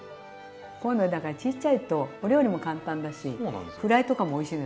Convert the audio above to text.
こういうのだからちっちゃいとお料理も簡単だしフライとかもおいしいのよだから。